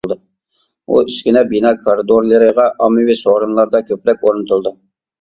بۇ ئۈسكۈنە بىنا كارىدورلىرىغا، ئاممىۋى سورۇنلاردا كۆپرەك ئورنىتىلىدۇ.